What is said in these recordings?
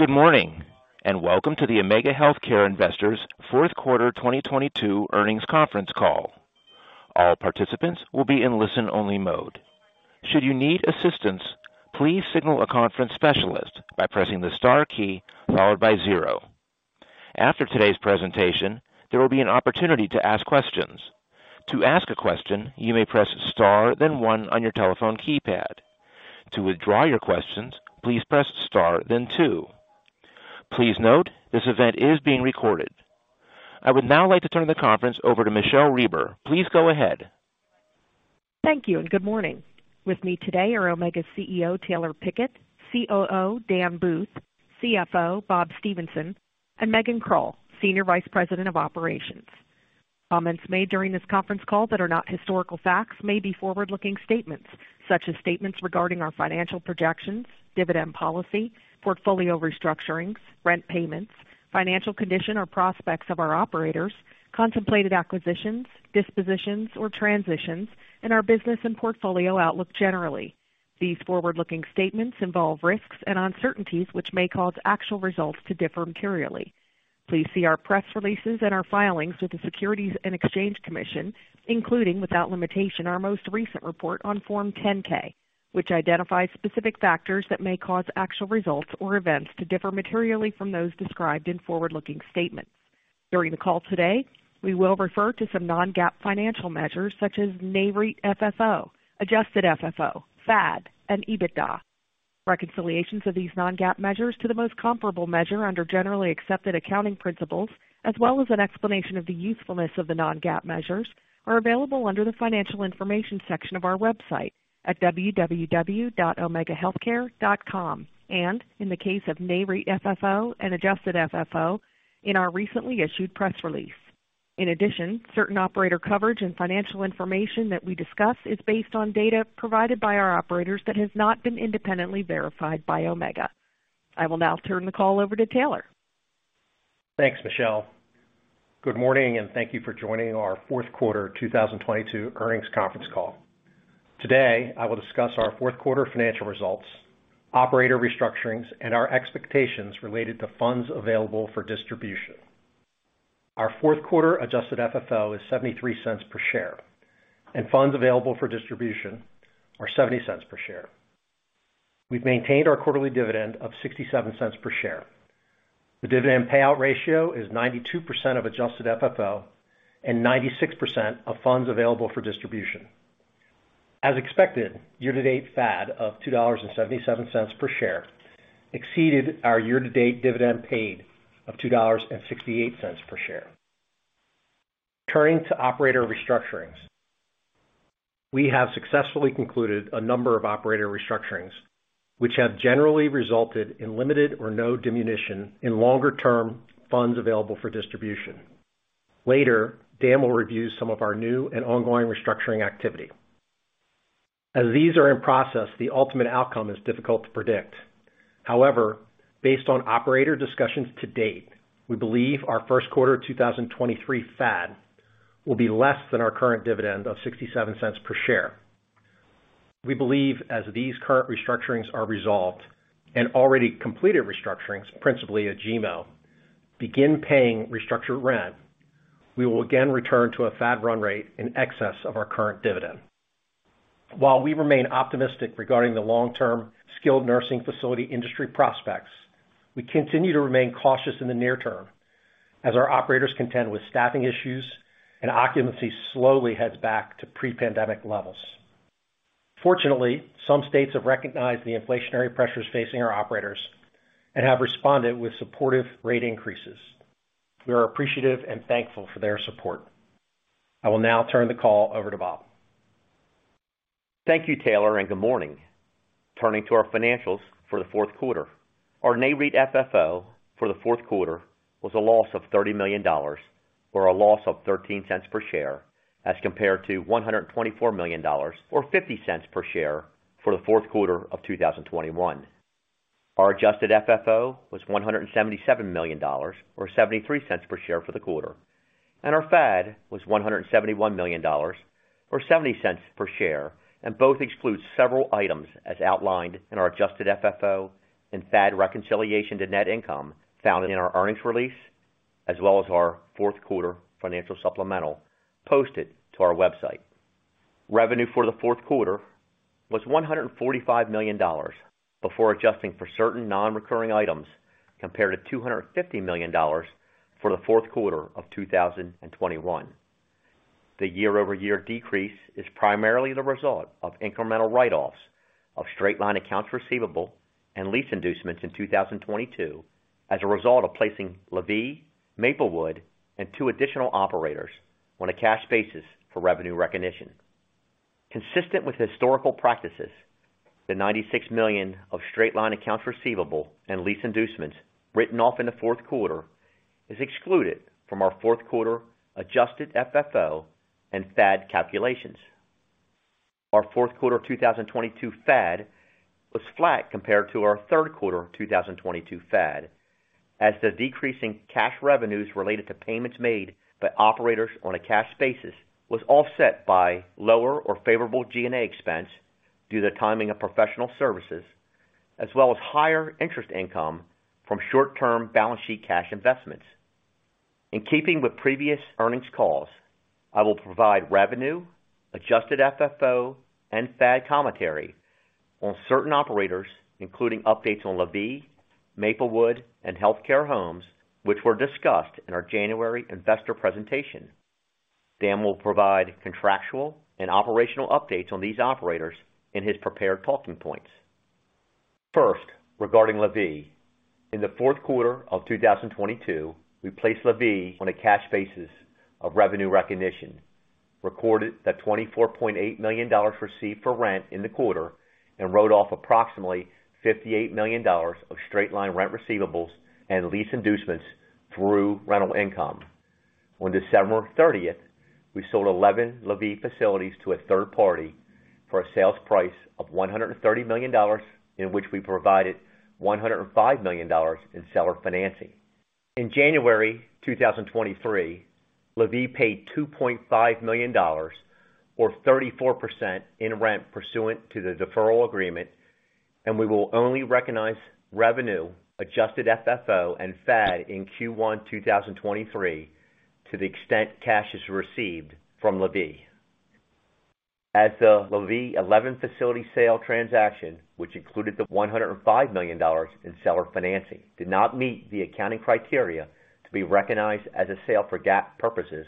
Good morning, welcome to the Omega Healthcare Investors Fourth Quarter 2022 Earnings Conference Call. All participants will be in listen-only mode. Should you need assistance, please signal a conference specialist by pressing the star key followed by zero. After today's presentation, there will be an opportunity to ask questions. To ask a question, you may press star then one on your telephone keypad. To withdraw your questions, please press star then two. Please note, this event is being recorded. I would now like to turn the conference over to Michele Reber. Please go ahead. Thank you good morning. With me today are Omega CEO Taylor Pickett, COO Dan Booth, CFO Bob Stephenson, and Megan Krull, Senior Vice President of Operations. Comments made during this conference call that are not historical facts may be forward-looking statements such as statements regarding our financial projections, dividend policy, portfolio restructurings, rent payments, financial condition or prospects of our operators, contemplated acquisitions, dispositions or transitions, and our business and portfolio outlook generally. These forward-looking statements involve risks and uncertainties which may cause actual results to differ materially. Please see our press releases and our filings with the Securities and Exchange Commission, including, without limitation, our most recent report on Form 10-K, which identifies specific factors that may cause actual results or events to differ materially from those described in forward-looking statements. During the call today, we will refer to some non-GAAP financial measures such as NAREIT FFO, adjusted FFO, FAD and EBITDA. Reconciliations of these non-GAAP measures to the most comparable measure under generally accepted accounting principles, as well as an explanation of the usefulness of the non-GAAP measures, are available under the Financial Information section of our website at www.omegahealthcare.com and in the case of NAREIT FFO and adjusted FFO in our recently issued press release. Certain operator coverage and financial information that we discuss is based on data provided by our operators that has not been independently verified by Omega. I will now turn the call over to Taylor. Thanks, Michele. Good morning, and thank you for joining our fourth quarter 2022 earnings conference call. Today, I will discuss our fourth quarter financial results, operator restructurings, and our expectations related to funds available for distribution. Our fourth quarter adjusted FFO is $0.73 per share and funds available for distribution are $0.70 per share. We've maintained our quarterly dividend of $0.67 per share. The dividend payout ratio is 92% of adjusted FFO and 96% of funds available for distribution. As expected, year-to-date FAD of $2.77 per share exceeded our year-to-date dividend paid of $2.68 per share. Turning to operator restructurings. We have successfully concluded a number of operator restructurings, which have generally resulted in limited or no diminution in longer term funds available for distribution. Later, Dan will review some of our new and ongoing restructuring activity. As these are in process, the ultimate outcome is difficult to predict. Based on operator discussions to date, we believe our first quarter 2023 FAD will be less than our current dividend of $0.67 per share. We believe as these current restructurings are resolved and already completed restructurings, principally at Agemo, begin paying restructured rent, we will again return to a FAD run rate in excess of our current dividend. While we remain optimistic regarding the long-term skilled nursing facility industry prospects, we continue to remain cautious in the near term as our operators contend with staffing issues and occupancy slowly heads back to pre-pandemic levels. Fortunately, some states have recognized the inflationary pressures facing our operators and have responded with supportive rate increases. We are appreciative and thankful for their support. I will now turn the call over to Bob. Thank you, Taylor. Good morning. Turning to our financials for the fourth quarter. Our Nareit FFO for the fourth quarter was a loss of $30 million or a loss of $0.13 per share as compared to $124 million or $0.50 per share for the fourth quarter of 2021. Our adjusted FFO was $177 million or $0.73 per share for the quarter, and our FAD was $171 million or $0.70 per share. Both exclude several items as outlined in our adjusted FFO and FAD reconciliation to net income found in our earnings release, as well as our fourth quarter financial supplemental posted to our website. Revenue for the fourth quarter was $145 million before adjusting for certain non-recurring items compared to $250 million for the fourth quarter of 2021. The year-over-year decrease is primarily the result of incremental write-offs of straight-line accounts receivable and lease inducements in 2022 as a result of placing LaVie, Maplewood and two additional operators on a cash basis for revenue recognition. Consistent with historical practices, the $96 million of straight-line accounts receivable and lease inducements written off in the fourth quarter is excluded from our fourth quarter adjusted FFO and FAD calculations. Our fourth quarter 2022 FAD was flat compared to our third quarter 2022 FAD. The decreasing cash revenues related to payments made by operators on a cash basis was offset by lower or favorable G&A expense due to the timing of professional services, as well as higher interest income from short-term balance sheet cash investments. In keeping with previous earnings calls, I will provide revenue, adjusted FFO, and FAD commentary on certain operators, including updates on LaVie, Maplewood and Healthcare Homes, which were discussed in our January investor presentation. Dan will provide contractual and operational updates on these operators in his prepared talking points. First, regarding LaVie. In the fourth quarter of 2022, we placed LaVie on a cash basis of revenue recognition, recorded the $24.8 million received for rent in the quarter, and wrote off approximately $58 million of straight-line rent receivables and lease inducements through rental income. On December 30th, we sold 11 LaVie facilities to a third party for a sales price of $130 million, in which we provided $105 million in seller financing. In January 2023, LaVie paid $2.5 million or 34% in rent pursuant to the deferral agreement, we will only recognize revenue, adjusted FFO and FAD in Q1 2023 to the extent cash is received from LaVie. As the LaVie 11 facility sale transaction, which included the $105 million in seller financing, did not meet the accounting criteria to be recognized as a sale for GAAP purposes,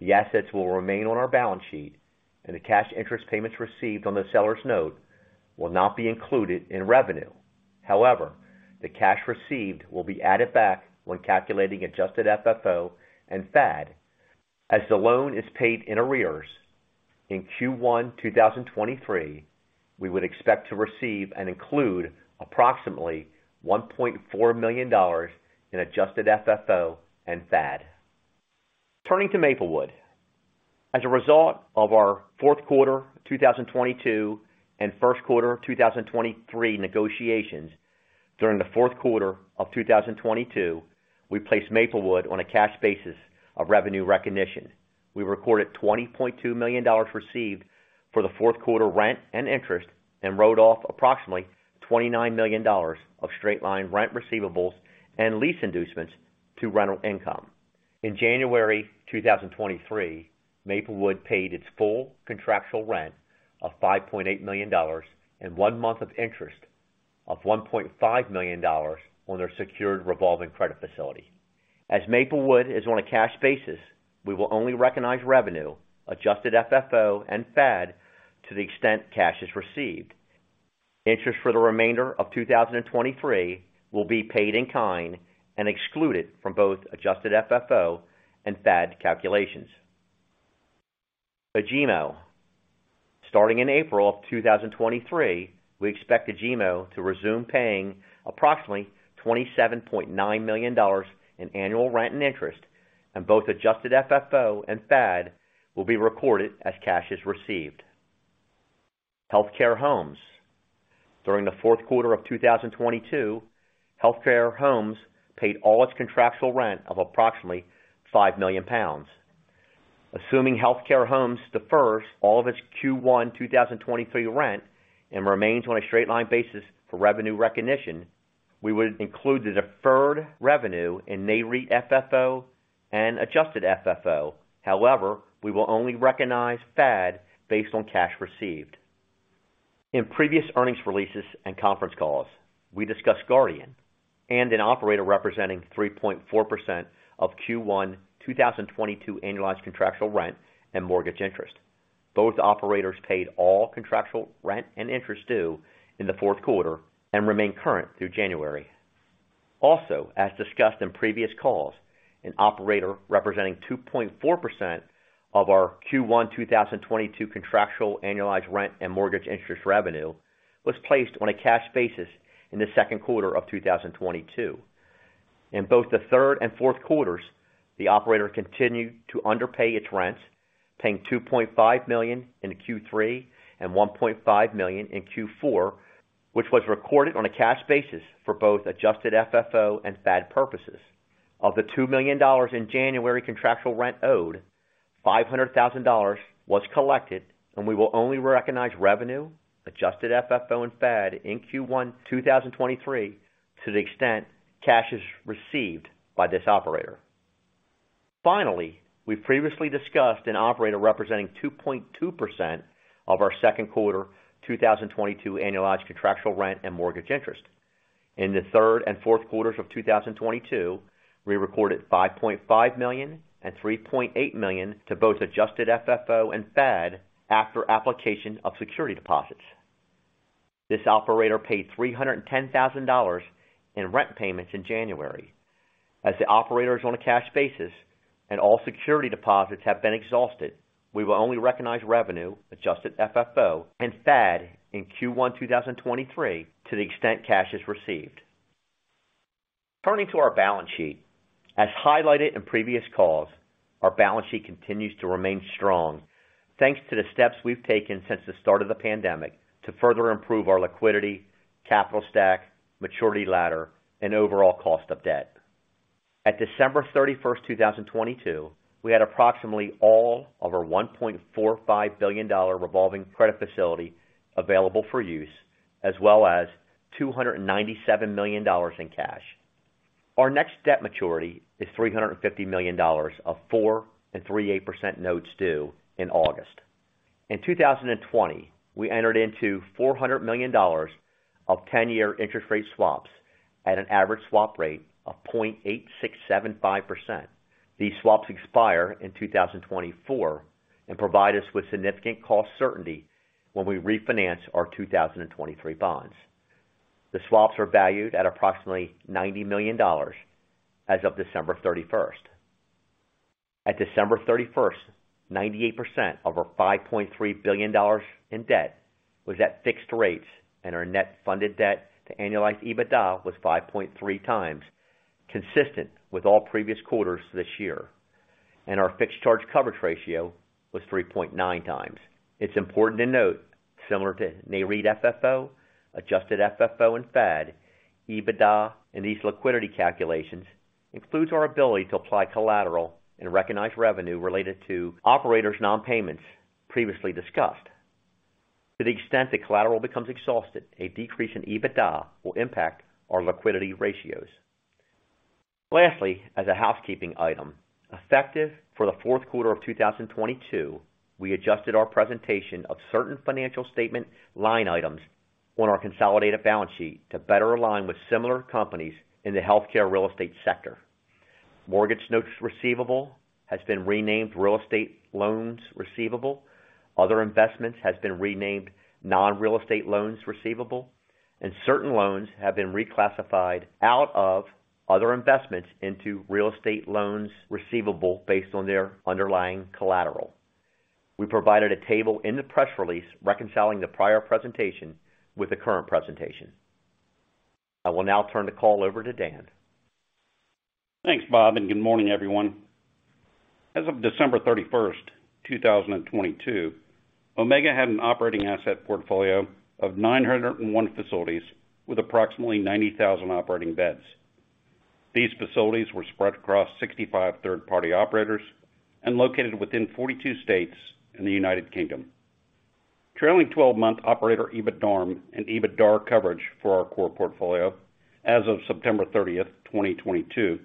the assets will remain on our balance sheet and the cash interest payments received on the seller's note will not be included in revenue. However, the cash received will be added back when calculating adjusted FFO and FAD. As the loan is paid in arrears in Q1 2023, we would expect to receive and include approximately $1.4 million in adjusted FFO and FAD. Turning to Maplewood. As a result of our fourth quarter 2022 and first quarter 2023 negotiations, during the fourth quarter of 2022, we placed Maplewood on a cash basis of revenue recognition. We recorded $20.2 million received for the fourth quarter rent and interest, and wrote off approximately $29 million of straight-line rent receivables and lease inducements to rental income. In January 2023, Maplewood paid its full contractual rent of $5.8 million and one month of interest of $1.5 million on their secured revolving credit facility. As Maplewood is on a cash basis, we will only recognize revenue, adjusted FFO and FAD to the extent cash is received. Interest for the remainder of 2023 will be paid in kind and excluded from both adjusted FFO and FAD calculations. Agemo. Starting in April 2023, we expect Agemo to resume paying approximately $27.9 million in annual rent and interest, and both adjusted FFO and FAD will be recorded as cash is received. Healthcare Homes. During the fourth quarter of 2022, Healthcare Homes paid all its contractual rent of approximately 5 million pounds. Assuming Healthcare Homes defers all of its Q1 2023 rent and remains on a straight-line basis for revenue recognition, we would include the deferred revenue in NAREIT FFO and adjusted FFO. We will only recognize FAD based on cash received. In previous earnings releases and conference calls, we discussed Guardian and an operator representing 3.4% of Q1 2022 annualized contractual rent and mortgage interest. Both operators paid all contractual rent and interest due in the fourth quarter and remain current through January. As discussed in previous calls, an operator representing 2.4% of our Q1 2022 contractual annualized rent and mortgage interest revenue was placed on a cash basis in the second quarter of 2022. In both the third and fourth quarters, the operator continued to underpay its rents, paying $2.5 million in Q3 and $1.5 million in Q4, which was recorded on a cash basis for both adjusted FFO and FAD purposes. Of the $2 million in January contractual rent owed, $500,000 was collected, and we will only recognize revenue, adjusted FFO and FAD in Q1 2023 to the extent cash is received by this operator. Finally, we previously discussed an operator representing 2.2% of our second quarter 2022 annualized contractual rent and mortgage interest. In the third and fourth quarters of 2022, we recorded $5.5 million and $3.8 million to both adjusted FFO and FAD after application of security deposits. This operator paid $310,000 in rent payments in January. As the operator is on a cash basis and all security deposits have been exhausted, we will only recognize revenue, adjusted FFO and FAD in Q1 2023 to the extent cash is received. Turning to our balance sheet. As highlighted in previous calls, our balance sheet continues to remain strong thanks to the steps we've taken since the start of the pandemic to further improve our liquidity, capital stack, maturity ladder, and overall cost of debt. At December 31, 2022, we had approximately all of our $1.45 billion revolving credit facility available for use, as well as $297 million in cash. Our next debt maturity is $350 million of 4.375% notes due in August. In 2020, we entered into $400 million of 10-year interest rate swaps at an average swap rate of 0.8675%. These swaps expire in 2024 and provide us with significant cost certainty when we refinance our 2023 bonds. The swaps are valued at approximately $90 million as of December 31. At December 31st, 98% of our $5.3 billion in debt was at fixed rates, and our net funded debt to annualized EBITDA was 5.3x, consistent with all previous quarters this year, and our fixed charge coverage ratio was 3.9x. It's important to note, similar to Nareit FFO, adjusted FFO and FAD, EBITDA in these liquidity calculations includes our ability to apply collateral and recognize revenue related to operators' non-payments previously discussed. To the extent the collateral becomes exhausted, a decrease in EBITDA will impact our liquidity ratios. Lastly, as a housekeeping item, effective for the fourth quarter of 2022, we adjusted our presentation of certain financial statement line items on our consolidated balance sheet to better align with similar companies in the healthcare real estate sector. Mortgage notes receivable has been renamed Real Estate Loans Receivable. Other investments has been renamed Non-Real Estate Loans Receivable, and certain loans have been reclassified out of other investments into Real Estate Loans Receivable based on their underlying collateral. We provided a table in the press release reconciling the prior presentation with the current presentation. I will now turn the call over to Dan. Thanks, Bob. Good morning, everyone. As of December 31, 2022, Omega had an operating asset portfolio of 901 facilities with approximately 90,000 operating beds. These facilities were spread across 65 third-party operators and located within 42 states in the United Kingdom. Trailing twelve-month operator EBITDARM and EBITDAR coverage for our core portfolio as of September 30, 2022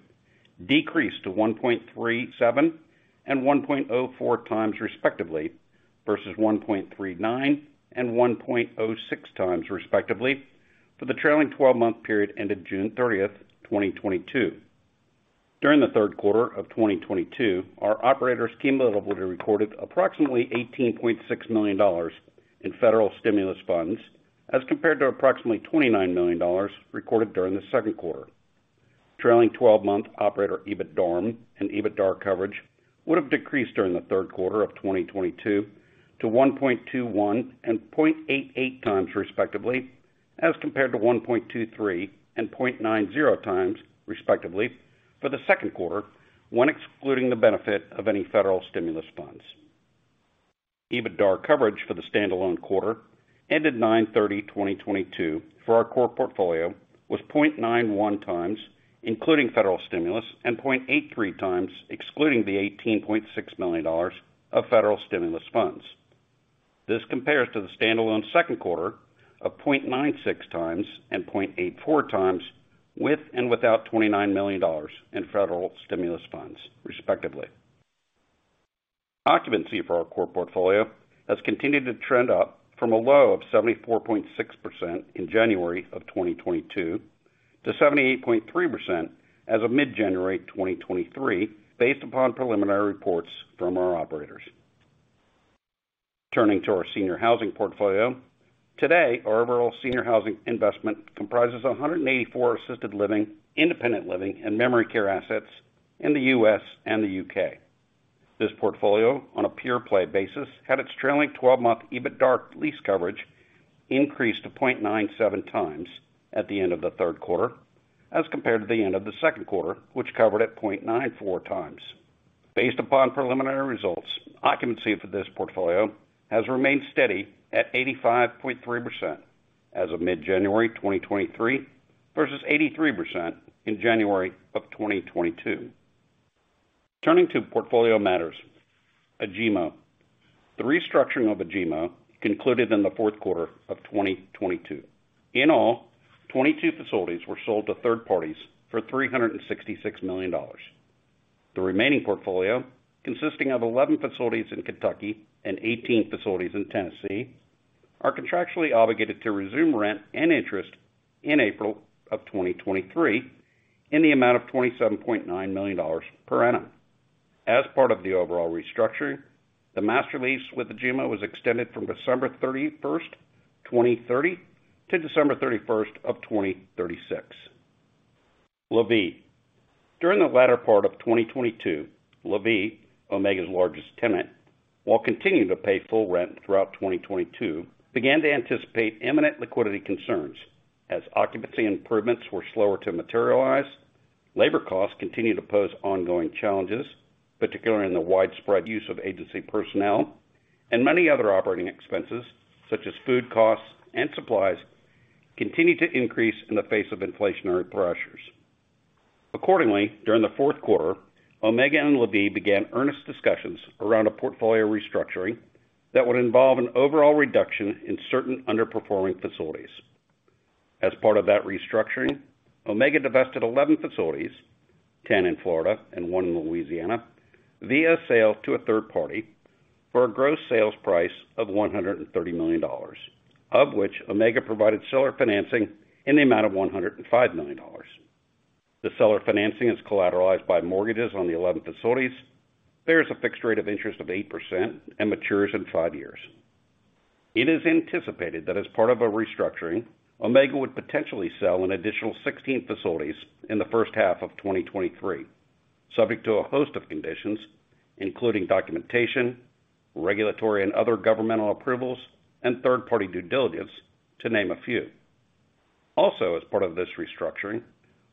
decreased to 1.37 and 1.04 times, respectively, versus 1.39 and 1.06 times, respectively, for the trailing twelve-month period ended June 30, 2022. During the third quarter of 2022, our operators cumulatively recorded approximately $18.6 million in federal stimulus funds as compared to approximately $29 million recorded during the second quarter. Trailing twelve-month operator EBITDARM and EBITDAR coverage would have decreased during the third quarter of 2022 to 1.21 and 0.88 times respectively, as compared to 1.23 and 0.90 times respectively for the second quarter when excluding the benefit of any federal stimulus funds. EBITDAR coverage for the standalone quarter ended 9/30/2022 for our core portfolio was 0.91 times, including federal stimulus, and 0.83 times, excluding the $18.6 million of federal stimulus funds. This compares to the standalone second quarter of 0.96 times and 0.84 times with and without $29 million in federal stimulus funds, respectively. Occupancy for our core portfolio has continued to trend up from a low of 74.6% in January 2022 to 78.3% as of mid-January 2023, based upon preliminary reports from our operators. Turning to our senior housing portfolio. Today, our overall senior housing investment comprises 184 assisted living, independent living, and memory care assets in the U.S. and the U.K. This portfolio, on a pure play basis, had its trailing 12-month EBITDAR lease coverage increased to 0.97 times at the end of the third quarter as compared to the end of the second quarter, which covered at 0.94 times. Based upon preliminary results, occupancy for this portfolio has remained steady at 85.3% as of mid-January 2023 versus 83% in January 2022. Turning to portfolio matters. Agemo. The restructuring of Agemo concluded in the fourth quarter of 2022. In all, 22 facilities were sold to third parties for $366 million. The remaining portfolio, consisting of 11 facilities in Kentucky and 18 facilities in Tennessee, are contractually obligated to resume rent and interest in April of 2023 in the amount of $27.9 million per annum. As part of the overall restructuring, the master lease with Agemo was extended from December 31st, 2030 to December 31st of 2036. LaVie. During the latter part of 2022, LaVie, Omega's largest tenant. While continuing to pay full rent throughout 2022, began to anticipate imminent liquidity concerns as occupancy improvements were slower to materialize, labor costs continue to pose ongoing challenges, particularly in the widespread use of agency personnel, and many other operating expenses, such as food costs and supplies, continue to increase in the face of inflationary pressures. Accordingly, during the fourth quarter, Omega and LaVie began earnest discussions around a portfolio restructuring that would involve an overall reduction in certain underperforming facilities. As part of that restructuring, Omega divested 11 facilities, 10 in Florida and 1 in Louisiana, via sale to a third party for a gross sales price of $130 million, of which Omega provided seller financing in the amount of $105 million. The seller financing is collateralized by mortgages on the 11 facilities, bears a fixed rate of interest of 8% and matures in five years. It is anticipated that as part of a restructuring, Omega would potentially sell an additional 16 facilities in the first half of 2023, subject to a host of conditions, including documentation, regulatory and other governmental approvals, and third party due diligence, to name a few. Also, as part of this restructuring,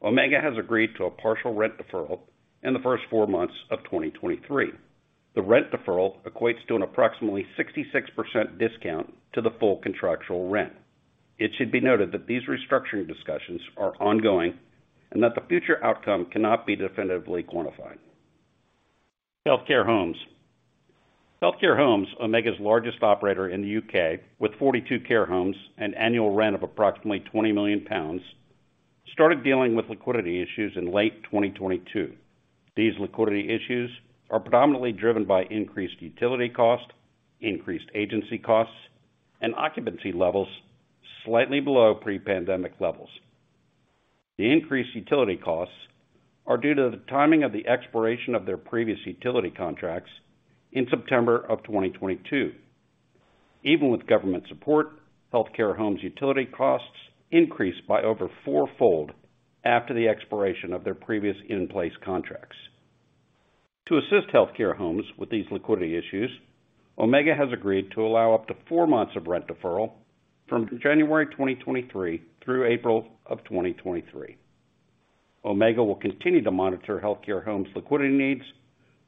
Omega has agreed to a partial rent deferral in the first four months of 2023. The rent deferral equates to an approximately 66% discount to the full contractual rent. It should be noted that these restructuring discussions are ongoing and that the future outcome cannot be definitively quantified. Healthcare Homes. Healthcare Homes, Omega's largest operator in the U.K., with 42 care homes and annual rent of approximately 20 million pounds, started dealing with liquidity issues in late 2022. These liquidity issues are predominantly driven by increased utility costs, increased agency costs, and occupancy levels slightly below pre-pandemic levels. The increased utility costs are due to the timing of the expiration of their previous utility contracts in September 2022. Even with government support, Healthcare Homes utility costs increased by over four-fold after the expiration of their previous in-place contracts. To assist Healthcare Homes with these liquidity issues, Omega has agreed to allow up to four months of rent deferral from January 2023 through April 2023. Omega will continue to monitor Healthcare Homes liquidity needs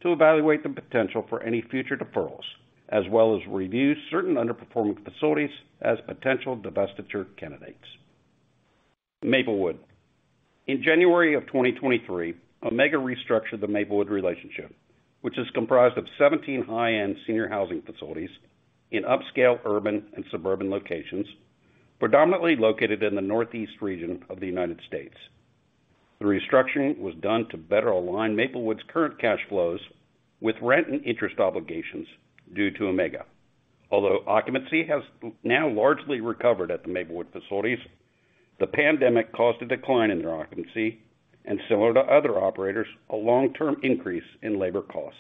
to evaluate the potential for any future deferrals, as well as review certain underperforming facilities as potential divestiture candidates. Maplewood. In January of 2023, Omega restructured the Maplewood relationship, which is comprised of 17 high-end senior housing facilities in upscale urban and suburban locations, predominantly located in the northeast region of the United States. The restructuring was done to better align Maplewood's current cash flows with rent and interest obligations due to Omega. Although occupancy has now largely recovered at the Maplewood facilities, the pandemic caused a decline in their occupancy and, similar to other operators, a long-term increase in labor costs.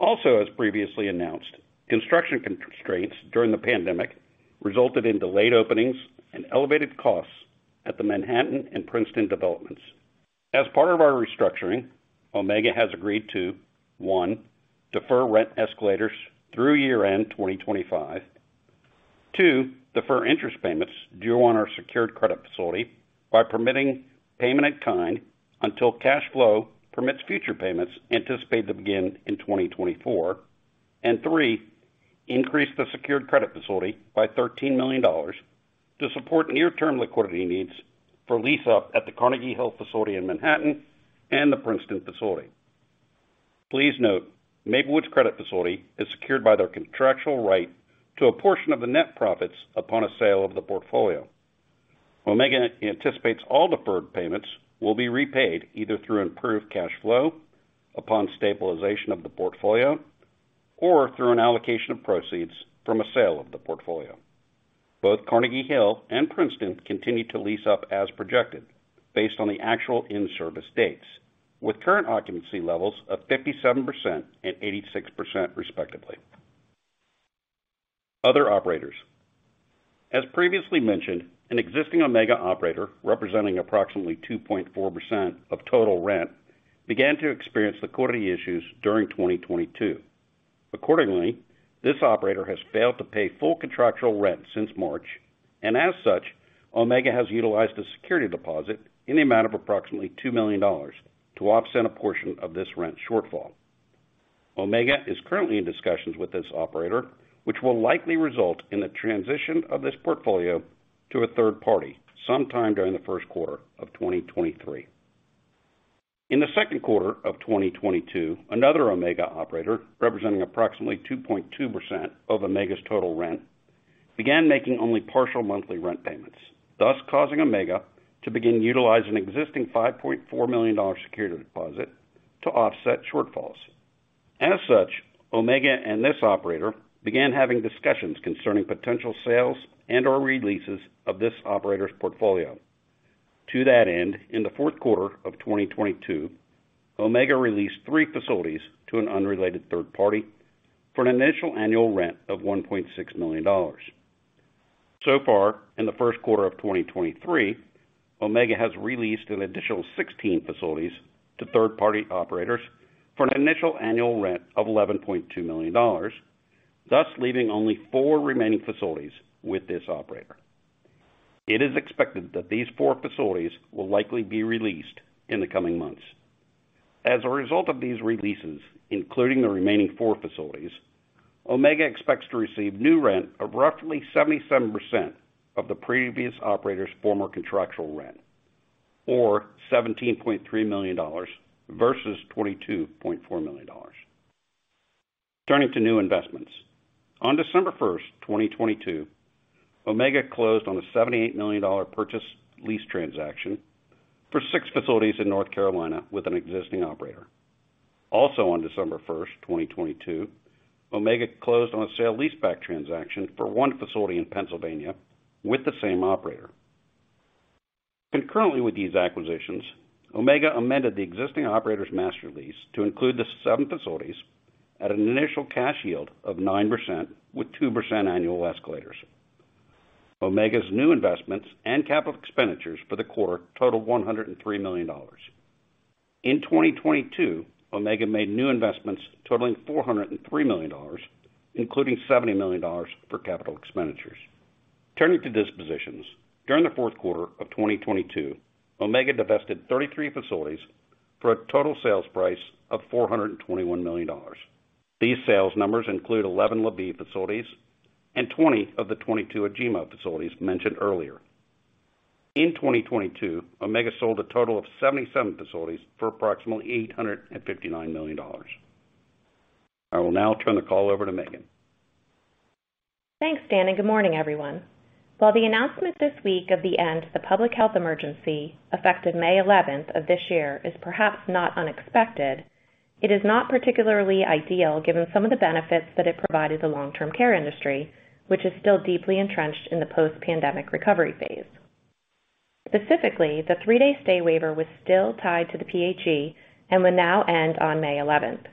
Also, as previously announced, construction constraints during the pandemic resulted in delayed openings and elevated costs at the Manhattan and Princeton developments. As part of our restructuring, Omega has agreed to, one, defer rent escalators through year-end 2025. Two, defer interest payments due on our secured credit facility by permitting payment in kind until cash flow permits future payments anticipated to begin in 2024. Three, increase the secured credit facility by $13 million to support near-term liquidity needs for lease-up at the Carnegie Hill facility in Manhattan and the Princeton facility. Please note Maplewood's credit facility is secured by their contractual right to a portion of the net profits upon a sale of the portfolio. Omega anticipates all deferred payments will be repaid either through improved cash flow upon stabilization of the portfolio or through an allocation of proceeds from a sale of the portfolio. Both Carnegie Hill and Princeton continue to lease up as projected based on the actual in-service dates, with current occupancy levels of 57% and 86% respectively. Other operators. As previously mentioned, an existing Omega operator representing approximately 2.4% of total rent began to experience liquidity issues during 2022. Accordingly, this operator has failed to pay full contractual rent since March, and as such, Omega has utilized a security deposit in the amount of approximately $2 million to offset a portion of this rent shortfall. Omega is currently in discussions with this operator, which will likely result in the transition of this portfolio to a third party sometime during the first quarter of 2023. In the second quarter of 2022, another Omega operator, representing approximately 2.2% of Omega's total rent, began making only partial monthly rent payments, thus causing Omega to begin utilizing existing $5.4 million security deposit to offset shortfalls. As such, Omega and this operator began having discussions concerning potential sales and/or releases of this operator's portfolio. To that end, in the fourth quarter of 2022, Omega released three facilities to an unrelated third party for an initial annual rent of $1.6 million. So far, in the first quarter of 2023, Omega has released an additional 16 facilities to third party operators for an initial annual rent of $11.2 million, thus leaving only four remaining facilities with this operator. It is expected that these four facilities will likely be released in the coming months. As a result of these releases, including the remaining four facilities, Omega expects to receive new rent of roughly 77% of the previous operator's former contractual rent, or $17.3 million versus $22.4 million. Turning to new investments. On December 1, 2022, Omega closed on a $78 million purchase lease transaction for six facilities in North Carolina with an existing operator. On December 1, 2022, Omega closed on a sale leaseback transaction for one facility in Pennsylvania with the same operator. Concurrently with these acquisitions, Omega amended the existing operator's master lease to include the seven facilities at an initial cash yield of 9% with 2% annual escalators. Omega's new investments and capital expenditures for the quarter totaled $103 million. In 2022, Omega made new investments totaling $403 million, including $70 million for capital expenditures. Turning to dispositions. During the fourth quarter of 2022, Omega divested 33 facilities for a total sales price of $421 million. These sales numbers include 11 LaVie facilities and 20 of the 22 Agemo facilities mentioned earlier. In 2022, Omega sold a total of 77 facilities for approximately $859 million. I will now turn the call over to Megan. Thanks, Dan. Good morning, everyone. While the announcement this week of the end of the public health emergency, effective May 11th of this year, is perhaps not unexpected, it is not particularly ideal given some of the benefits that it provided the long-term care industry, which is still deeply entrenched in the post-pandemic recovery phase. Specifically, the three-day stay waiver was still tied to the PHE and will now end on May 11th.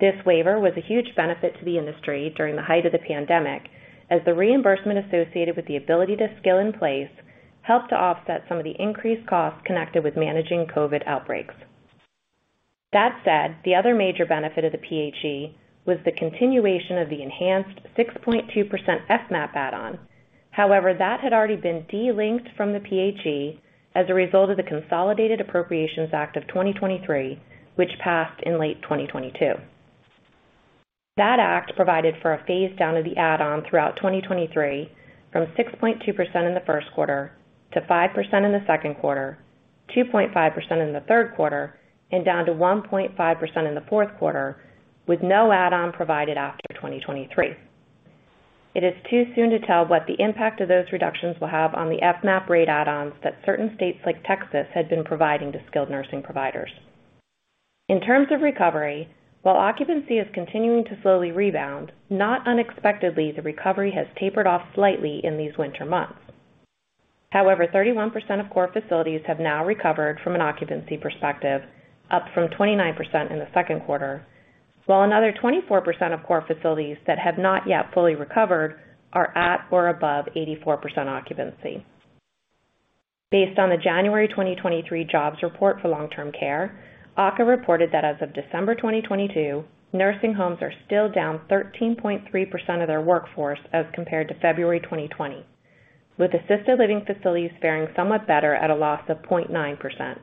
This waiver was a huge benefit to the industry during the height of the pandemic as the reimbursement associated with the ability to skilled in place helped to offset some of the increased costs connected with managing COVID outbreaks. That said, the other major benefit of the PHE was the continuation of the enhanced 6.2% FMAP add-on. However, that had already been de-linked from the PHE as a result of the Consolidated Appropriations Act, 2023, which passed in late 2022. That act provided for a phase down of the add-on throughout 2023 from 6.2% in the first quarter to 5% in the second quarter, 2.5% in the third quarter, and down to 1.5% in the fourth quarter, with no add-on provided after 2023. It is too soon to tell what the impact of those reductions will have on the FMAP rate add-ons that certain states like Texas had been providing to skilled nursing providers. In terms of recovery, while occupancy is continuing to slowly rebound, not unexpectedly, the recovery has tapered off slightly in these winter months. Thirty-one percent of core facilities have now recovered from an occupancy perspective, up from 29% in the second quarter, while another 24% of core facilities that have not yet fully recovered are at or above 84% occupancy. Based on the January 2023 jobs report for long-term care, AHCA reported that as of December 2022, nursing homes are still down 13.3% of their workforce as compared to February 2020, with assisted living facilities faring somewhat better at a loss of 0.9%,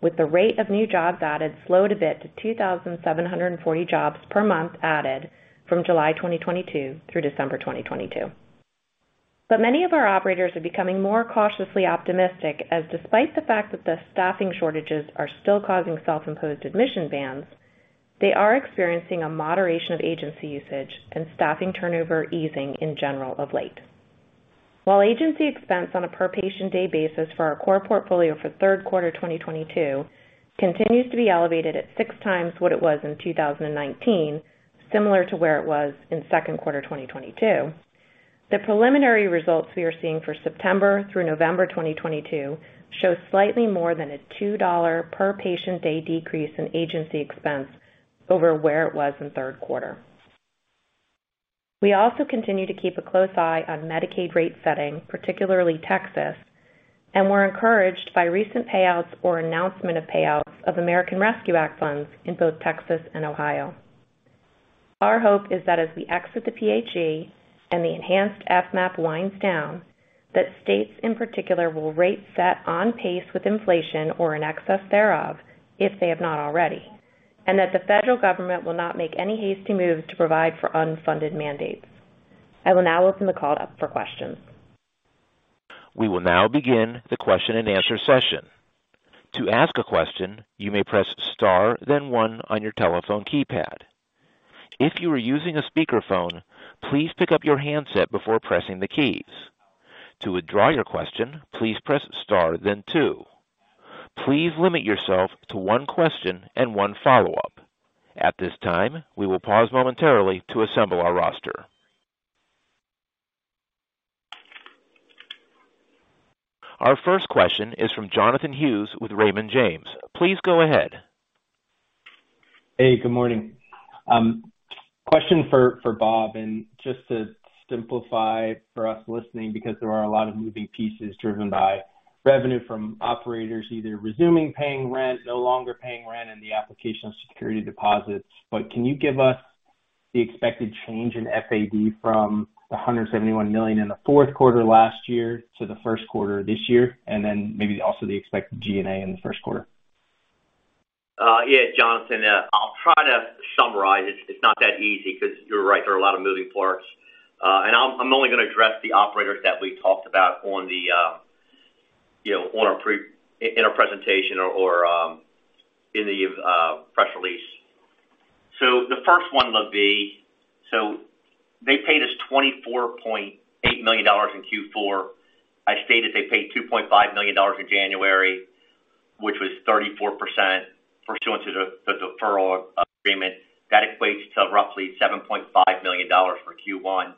with the rate of new jobs added slowed a bit to 2,740 jobs per month added from July 2022 through December 2022. Many of our operators are becoming more cautiously optimistic as despite the fact that the staffing shortages are still causing self-imposed admission bans, they are experiencing a moderation of agency usage and staffing turnover easing in general of late. While agency expense on a per patient day basis for our core portfolio for third quarter 2022 continues to be elevated at six times what it was in 2019, similar to where it was in second quarter 2022, the preliminary results we are seeing for September through November 2022 show slightly more than a $2 per patient day decrease in agency expense over where it was in third quarter. We also continue to keep a close eye on Medicaid rate setting, particularly Texas, and we're encouraged by recent payouts or announcement of payouts of American Rescue Act funds in both Texas and Ohio. Our hope is that as we exit the PHE and the enhanced FMAP winds down, that states in particular will rate set on pace with inflation or in excess thereof if they have not already, that the federal government will not make any hasty move to provide for unfunded mandates. I will now open the call up for questions. We will now begin the question and answer session. To ask a question, you may press star then one on your telephone keypad. If you are using a speakerphone, please pick up your handset before pressing the keys. To withdraw your question, please press star then two. Please limit yourself to one question and one follow-up. At this time, we will pause momentarily to assemble our roster. Our first question is from Jonathan Hughes with Raymond James. Please go ahead. Hey, good morning. Question for Bob, and just to simplify for us listening, because there are a lot of moving pieces driven by revenue from operators either resuming paying rent, no longer paying rent, and the application of security deposits. Can you give us the expected change in FAD from the $171 million in the fourth quarter last year to the first quarter this year, and then maybe also the expected G&A in the first quarter? Yeah, Jonathan, I'll try to summarize it. It's not that easy because you're right, there are a lot of moving parts. I'm only gonna address the operators that we talked about on the, you know, in our presentation or in the press release. The first one, LaVie. They paid us $24.8 million in Q4. I stated they paid $2.5 million in January, which was 34% pursuant to the deferral agreement. That equates to roughly $7.5 million for Q1.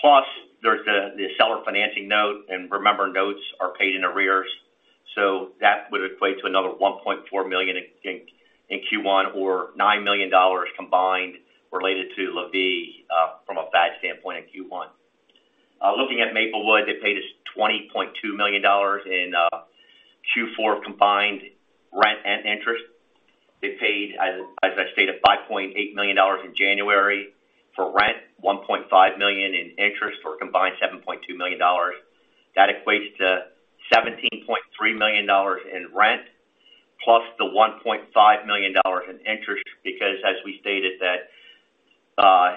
Plus there's the seller financing note, and remember, notes are paid in arrears, so that would equate to another $1.4 million in Q1 or $9 million combined related to LaVie from a FAD standpoint in Q1. Looking at Maplewood, they paid us $20.2 million in Q4 combined rent and interest. They paid, as I stated, $5.8 million in January for rent, $1.5 million in interest for a combined $7.2 million. That equates to $17.3 million in rent plus the $1.5 million in interest because, as we stated, that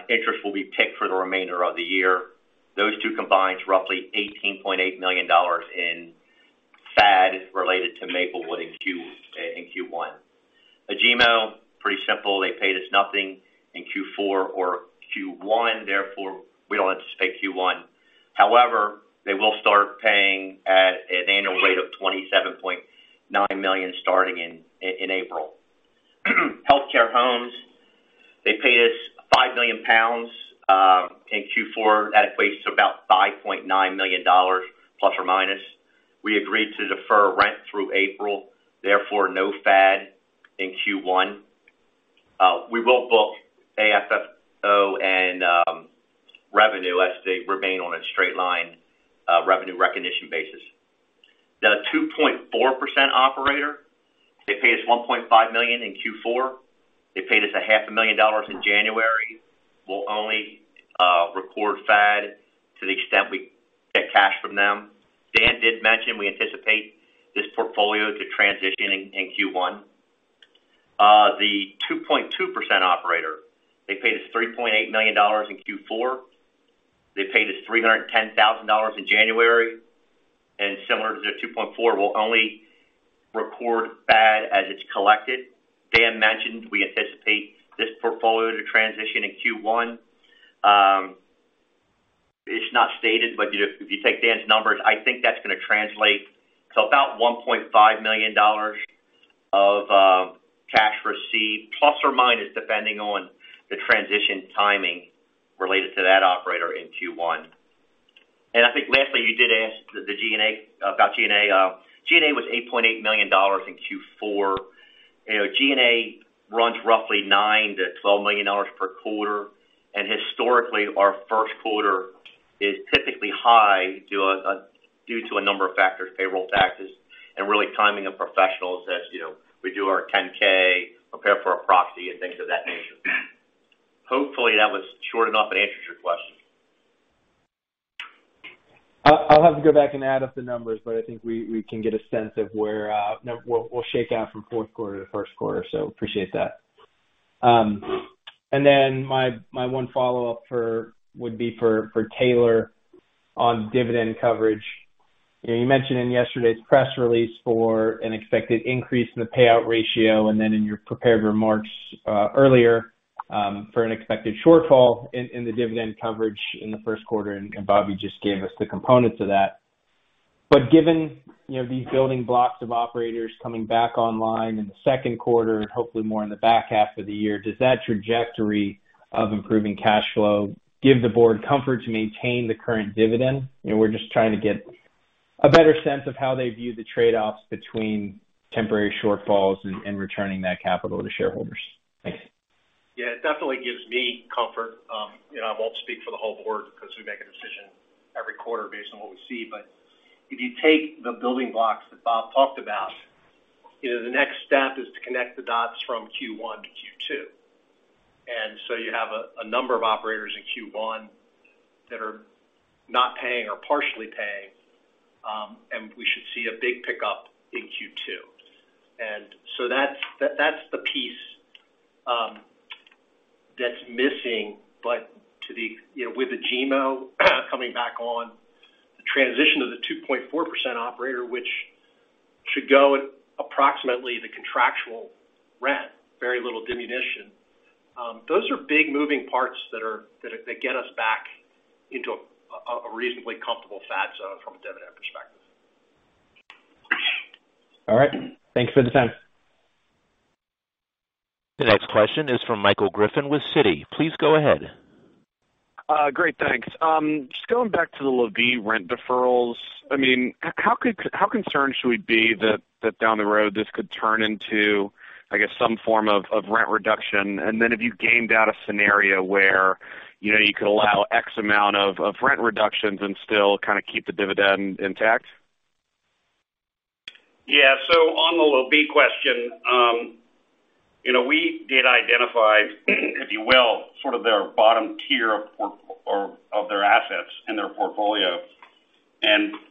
interest will be picked for the remainder of the year. Those two combined to roughly $18.8 million in FAD related to Maplewood in Q1. Agemo, pretty simple. They paid us nothing in Q4 or Q1, therefore we don't anticipate Q1. However, they will start paying at an annual rate of $27.9 million starting in April. Healthcare Homes, they paid us 5 million pounds in Q4. That equates to about $5.9 million ±. We agreed to defer rent through April, therefore no FAD in Q1. We will book AFFO and revenue as they remain on a straight-line revenue recognition basis. The 2.4% operator, they paid us $1.5 million in Q4. They paid us a half a million dollars in January. We'll only record FAD to the extent we get cash from them. Dan did mention we anticipate this portfolio to transition in Q1. The 2.2% operator, they paid us $3.8 million in Q4. They paid us $310,000 in January, and similar to the 2.4% operator, we'll only record FAD as it's collected. Dan mentioned we anticipate this portfolio to transition in Q1. It's not stated, but if you take Dan's numbers, I think that's gonna translate to about $1.5 million of cash received, plus or minus, depending on the transition timing related to that operator in Q1. Lastly, you did ask the G&A about G&A. G&A was $8.8 million in Q4. You know, G&A runs roughly $9 million-$12 million per quarter. Historically, our first quarter is typically high due to a number of factors, payroll taxes, and really timing of professionals as, you know, we do our 10-K, prepare for our proxy and things of that nature. Hopefully, that was short enough and answers your question. I'll have to go back and add up the numbers, but I think we can get a sense of where we'll shake out from fourth quarter to first quarter, so appreciate that. Then my one follow-up would be for Taylor on dividend coverage. You know, you mentioned in yesterday's press release for an expected increase in the payout ratio then in your prepared remarks earlier for an expected shortfall in the dividend coverage in the first quarter. Bob, you just gave us the components of that. Given, you know, these building blocks of operators coming back online in the second quarter and hopefully more in the back half of the year, does that trajectory of improving cash flow give the board comfort to maintain the current dividend? You know, we're just trying to get a better sense of how they view the trade-offs between temporary shortfalls and returning that capital to shareholders. Thanks. Yeah. It definitely gives me comfort. You know, I won't speak for the whole board because we make a decision every quarter based on what we see. If you take the building blocks that Bob talked about, you know, the next step is to connect the dots from Q1 to Q2. You have a number of operators in Q1 that are not paying or partially paying, and we should see a big pickup in Q2. That's, that's the piece, that's missing. You know, with Agemo coming back on, the transition of the 2.4% operator, which should go at approximately the contractual rent, very little diminution, those are big moving parts that get us back into a reasonably comfortable FAD zone from a dividend perspective. All right. Thanks for the time. The next question is from Michael Griffin with Citi. Please go ahead. Great, thanks. Just going back to the LaVie rent deferrals. I mean, how concerned should we be that down the road, this could turn into, I guess, some form of rent reduction? Have you gamed out a scenario where, you know, you could allow X amount of rent reductions and still kinda keep the dividend intact? Yeah. On the LaVie question, you know, we did identify, if you will, sort of their bottom tier of or of their assets in their portfolio.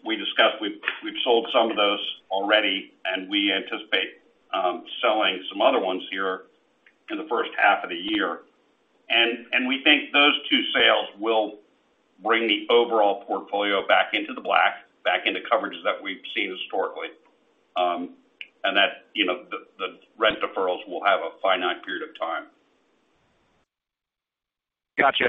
We discussed, we've sold some of those already, and we anticipate selling some other ones here in the first half of the year. We think those two sales will bring the overall portfolio back into the black, back into coverages that we've seen historically. you know, the rent deferrals will have a finite period of time. Gotcha.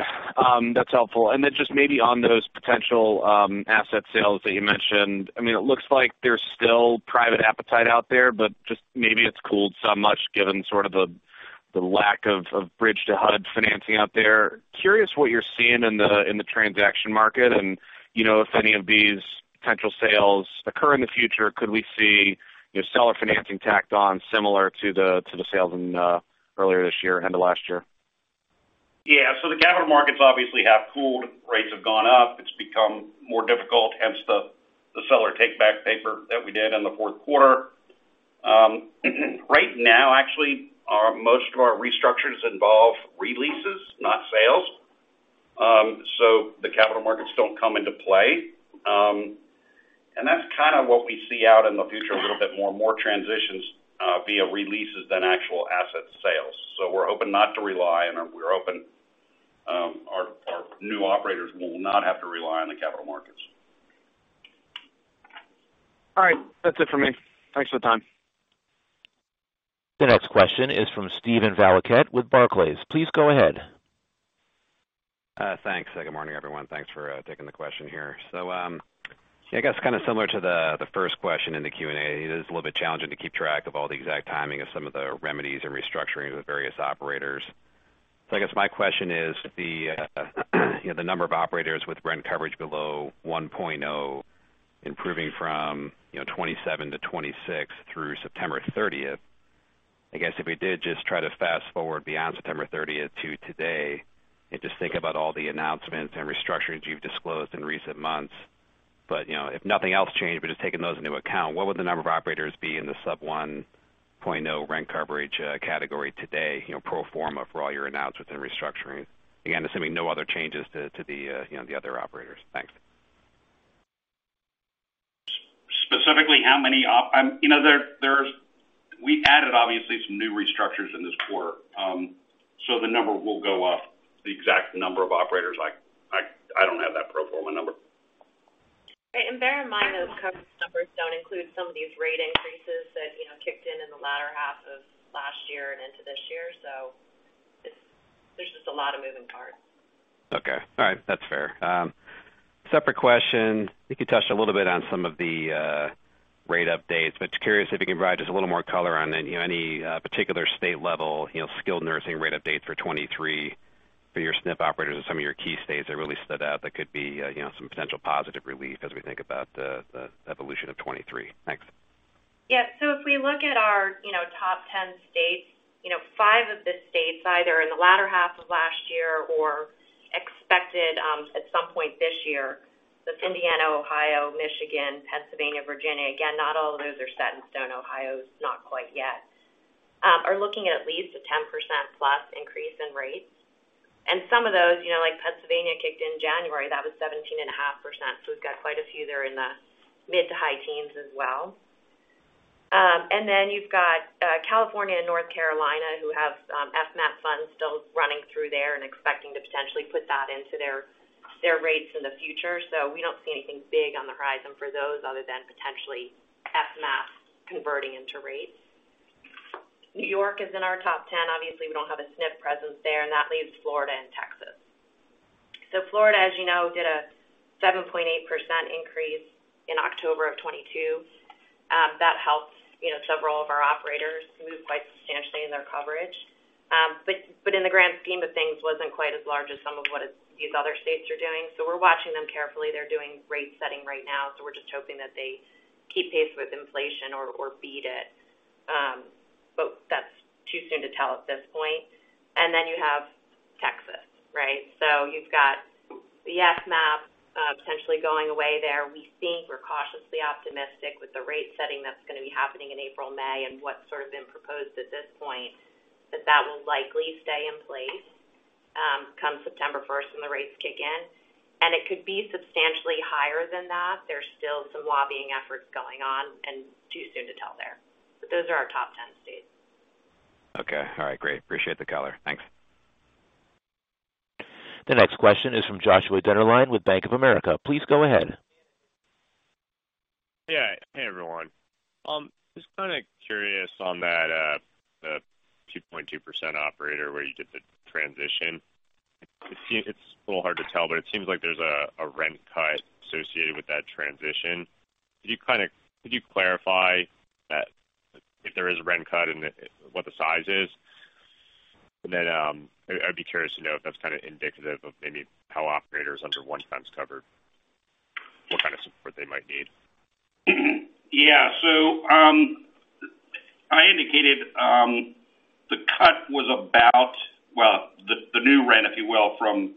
That's helpful. Just maybe on those potential asset sales that you mentioned, I mean, it looks like there's still private appetite out there, but just maybe it's cooled so much given sort of the lack of bridge to HUD financing out there. Curious what you're seeing in the transaction market and, you know, if any of these potential sales occur in the future, could we see, you know, seller financing tacked on similar to the sales in earlier this year and last year? Yeah.The capital markets obviously have cooled, rates have gone up. It's become more difficult, hence the seller take back paper that we did in the fourth quarter. Right now, actually, most of our restructures involve re-leases, not sales. The capital markets don't come into play. That's kinda what we see out in the future a little bit more, more transitions via re-leases than actual asset sales. We're hoping not to rely, and we're hoping our new operators will not have to rely on the capital markets. All right. That's it for me. Thanks for the time. The next question is from Steven Valiquette with Barclays. Please go ahead. Thanks. Good morning, everyone. Thanks for taking the question here. I guess kind of similar to the first question in the Q&A, it is a little bit challenging to keep track of all the exact timing of some of the remedies and restructuring of the various operators. I guess my question is the, you know, the number of operators with rent coverage below 1.0, improving from, you know, 27 to 26 through September 30th. I guess if we did just try to fast-forward beyond September 30th to today and just think about all the announcements and restructurings you've disclosed in recent months. You know, if nothing else changed, but just taking those into account, what would the number of operators be in the sub 1.0 rent coverage, category today, you know, pro forma for all your announcements and restructurings? Again, assuming no other changes to the, you know, the other operators. Thanks. Specifically, how many, you know, we added obviously some new restructures in this quarter. The number will go up. The exact number of operators, I don't have that pro forma number. Right. Bear in mind, those coverage numbers don't include some of these rate increases that, you know, kicked in in the latter half of last year and into this year. There's just a lot of moving parts. Okay. All right. That's fair. Separate question. I think you touched a little bit on some of the rate updates, but just curious if you can provide just a little more color on any, you know, any particular state level, you know, skilled nursing rate updates for 2023 for your SNF operators in some of your key states that really stood out that could be, you know, some potential positive relief as we think about the evolution of 2023. Thanks. Yeah. If we look at our, you know, top 10 states, you know, five of the states, either in the latter half of last year or expected at some point this year. Indiana, Ohio, Michigan, Pennsylvania, Virginia. Again, not all of those are set in stone. Ohio is not quite yet. Are looking at least a 10% plus increase in rates. Some of those, you know, like Pennsylvania kicked in January, that was 17.5%. We've got quite a few there in the mid to high teens as well. Then you've got California and North Carolina who have FMAP funds still running through there and expecting to potentially put that into their rates in the future. We don't see anything big on the horizon for those other than potentially FMAP converting into rates. New York is in our top 10. Obviously, we don't have a SNF presence there, and that leaves Florida and Texas. Florida, as you know, did a 7.8% increase in October of 2022. That helps, you know, several of our operators move quite substantially in their coverage. But in the grand scheme of things, wasn't quite as large as some of what these other states are doing. We're watching them carefully. They're doing rate setting right now, so we're just hoping that they keep pace with inflation or beat it. But that's too soon to tell at this point. Then you have Texas, right? You've got the FMAP, potentially going away there. We think we're cautiously optimistic with the rate setting that's gonna be happening in April, May, and what's sort of been proposed at this point, that will likely stay in place, come September first when the rates kick in. It could be substantially higher than that. There's still some lobbying efforts going on and too soon to tell there. Those are our top 10 states. Okay. All right, great. Appreciate the color. Thanks. The next question is from Joshua Dennerlein with Bank of America. Please go ahead. Yeah. Hey, everyone. Just kinda curious on that, the 2.2% operator where you did the transition. It's a little hard to tell, but it seems like there's a rent cut associated with that transition. Could you clarify that if there is a rent cut and what the size is? Then, I'd be curious to know if that's kinda indicative of maybe how operators under 1x cover, what kind of support they might need. I indicated, the new rent, if you will, from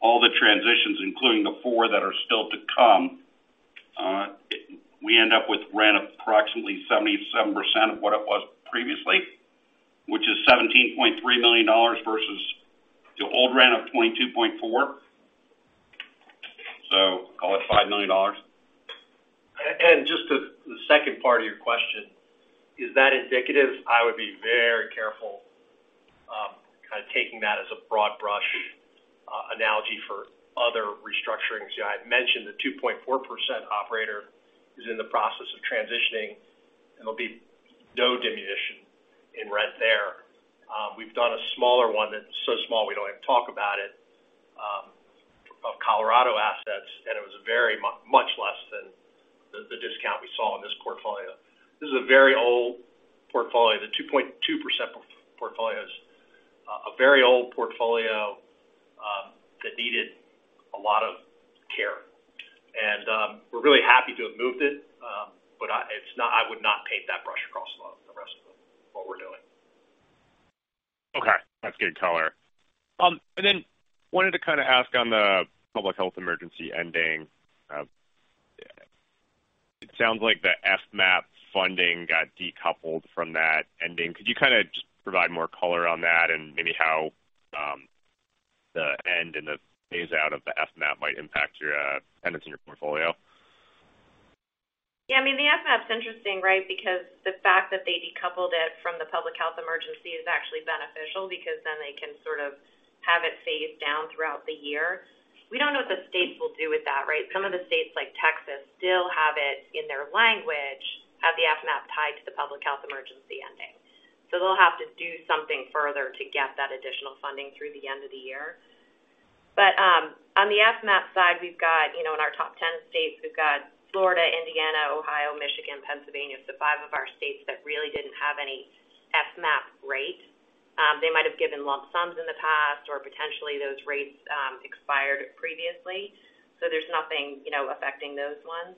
all the transitions, including the four that are still to come, we end up with rent approximately 77% of what it was previously, which is $17.3 million versus the old rent of $22.4 million. Call it $5 million. Just to the second part of your question, is that indicative? I would be very careful, kind of taking that as a broad brush analogy for other restructurings. I had mentioned the 2.4% operator is in the process of transitioning. There'll be no diminution in rent there. We've done a smaller one that's so small we don't even talk about it, of Colorado assets, it was very much less than the discount we saw in this portfolio. This is a very old portfolio. The 2.2% portfolio is a very old portfolio that needed a lot of care. We're really happy to have moved it, but I would not paint that brush across the rest of what we're doing. Okay, that's good color. Wanted to kinda ask on the public health emergency ending. It sounds like the FMAP funding got decoupled from that ending. Could you kinda just provide more color on that and maybe how the end and the phase out of the FMAP might impact your tenants in your portfolio? Yeah, I mean, the FMAP's interesting, right? Because the fact that they decoupled it from the public health emergency is actually beneficial because then they can sort of have it phased down throughout the year. We don't know what the states will do with that, right? Some of the states, like Texas, still have it in their language, have the FMAP tied to the public health emergency ending. They'll have to do something further to get that additional funding through the end of the year. On the FMAP side, we've got, you know, in our top 10 states, we've got Florida, Indiana, Ohio, Michigan, Pennsylvania. 5 of our states that really didn't have any FMAP rate. They might have given lump sums in the past or potentially those rates expired previously. There's nothing, you know, affecting those ones.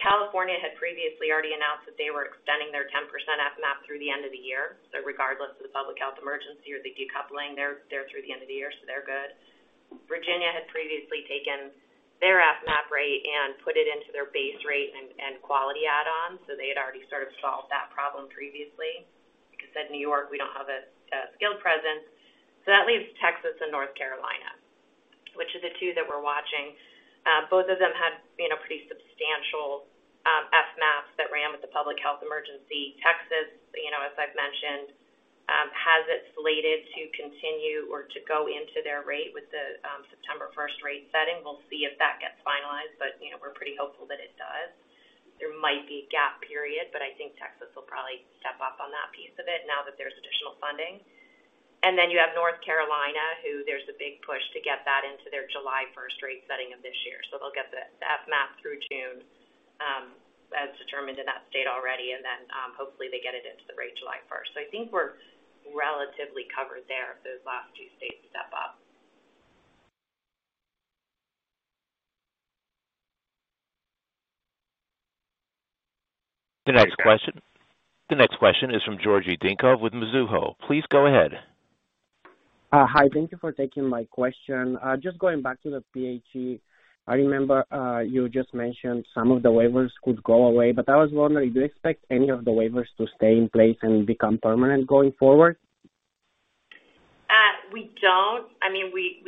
California had previously already announced that they were extending their 10% FMAP through the end of the year. Regardless of the public health emergency or the decoupling, they're through the end of the year, so they're good. Virginia had previously taken their FMAP rate and put it into their base rate and quality add-on, so they had already sort of solved that problem previously. Like I said, New York, we don't have a skilled presence. That leaves Texas and North Carolina, which are the two that we're watching. Both of them had, you know, pretty substantial FMAPs that ran with the public health emergency. Texas, you know, as I've mentioned, has it slated to continue or to go into their rate with the September 1st rate setting. We'll see if that gets finalized, you know, we're pretty hopeful that it does. There might be a gap period, I think Texas will probably step up on that piece of it now that there's additional funding. You have North Carolina, who there's a big push to get that into their July first rate setting of this year. They'll get the FMAP through June, as determined in that state already, and then hopefully they get it into the rate July first. I think we're relatively covered there if those last two states step up. Okay. The next question is from Georgi Dinkov with Mizuho. Please go ahead. Hi. Thank you for taking my question. Just going back to the PHE. I remember, you just mentioned some of the waivers could go away, but I was wondering, do you expect any of the waivers to stay in place and become permanent going forward? We don't. I mean, we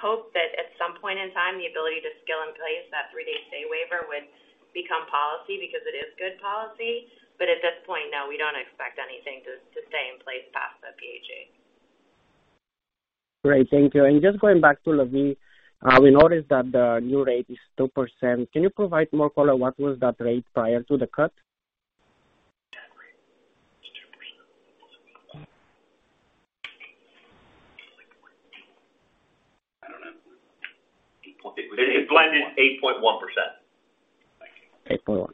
hope that at some point in time, the ability to scale in place that three-day stay waiver would become policy because it is good policy. At this point, no, we don't expect anything to stay in place past the PHE. Great. Thank you. Just going back to LaVie. We noticed that the new rate is 2%. Can you provide more color? What was that rate prior to the cut? That rate is 2%. I don't know. The blended, 8.1%. 8.1.